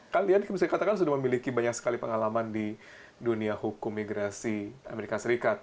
kalian bisa katakan sudah memiliki banyak sekali pengalaman di dunia hukum migrasi amerika serikat